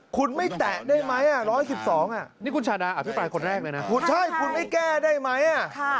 คุณไม่แตะได้ไหม๑๑๒นี่คุณชาดาอภิปรายคนแรกเลยนะคุณใช่คุณไม่แก้ได้ไหม